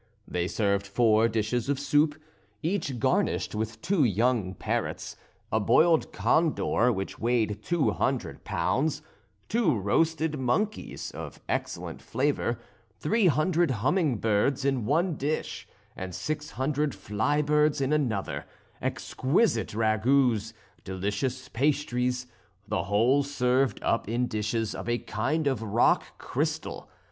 They served four dishes of soup, each garnished with two young parrots; a boiled condor which weighed two hundred pounds; two roasted monkeys, of excellent flavour; three hundred humming birds in one dish, and six hundred fly birds in another; exquisite ragouts; delicious pastries; the whole served up in dishes of a kind of rock crystal.